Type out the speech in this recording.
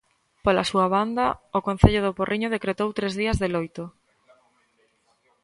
Pola súa banda, o concello do Porriño decretou tres días de loito.